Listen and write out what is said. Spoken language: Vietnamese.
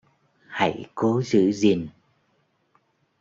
Hãy cố giữ gìn